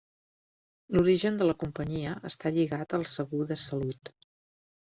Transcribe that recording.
L'origen de la companyia està lligat al segur de salut.